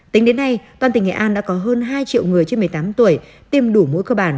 tính đến nay toàn tỉnh nghệ an đã có hơn hai triệu người trên một mươi tám tuổi tiêm đủ mũi cơ bản